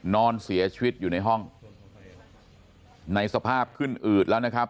นอนเสียชีวิตอยู่ในห้องในสภาพขึ้นอืดแล้วนะครับ